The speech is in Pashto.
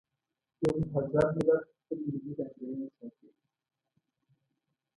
یو مهذب ملت خپلې ملي ځانګړنې ساتي.